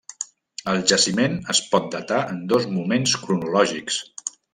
El jaciment es pot datar en dos moments cronològics.